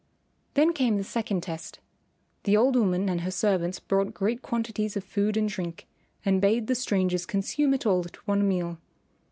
Then came the second test. The old woman and her servants brought great quantities of food and drink and bade the strangers consume it all at one meal.